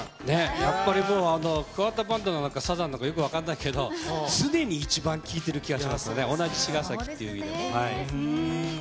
やっぱりもう、桑田バンドなのかサザンなのかよく分かんないけど、常に一番聴いている気がしますよね、同じ茅ヶ崎っていう意味でも。